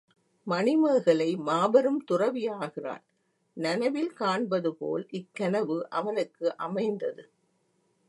மணிமேகலை மாபெரும் துறவி ஆகிறாள் நனவில் காண்பது போல் இக்கனவு அவனுக்கு அமைந்தது.